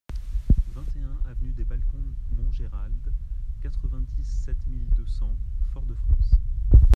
vingt et un avenue des Balcons Montgéralde, quatre-vingt-dix-sept mille deux cents Fort-de-France